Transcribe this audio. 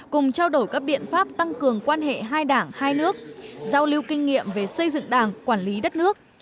cùng trao đổi các biện pháp tăng cường quan hệ hai đảng hai nước giao lưu kinh nghiệm về xây dựng đảng quản lý đất nước